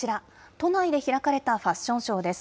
都内で開かれたファッションショーです。